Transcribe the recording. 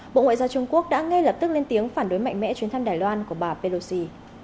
bộ ngoại giao trung quốc đã ngay lập tức lên tiếng phản đối mạnh mẽ chuyến thăm đài loan của bà pelosi